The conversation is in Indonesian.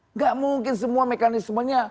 enggak mungkin semua mekanismenya